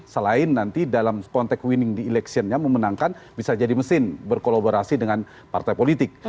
selain nanti dalam konteks winning di election nya memenangkan bisa jadi mesin berkolaborasi dengan partai politik